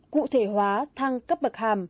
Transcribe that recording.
cụ thể hóa thăng cấp bậc hàm